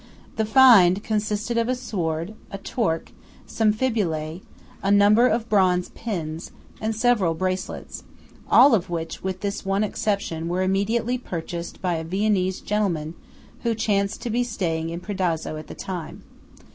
The "find" consisted of a sword, a torque, some fibulæ, a number of bronze pins, and several bracelets; all of which, with this one exception, were immediately purchased by a Viennese gentleman who chanced to be staying in Predazzo at the time.